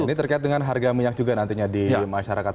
ini terkait dengan harga minyak juga nantinya di masyarakat